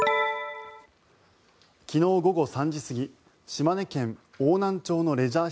昨日午後３時過ぎ島根県邑南町のレジャー